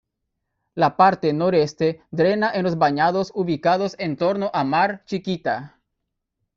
La parte noreste drena en los bañados ubicados en torno a Mar Chiquita.